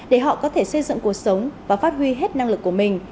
để họ có thể xây dựng cuộc sống và phát huy hết năng lực của mình